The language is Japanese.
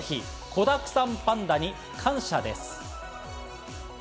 子だくさんパンダに感謝です。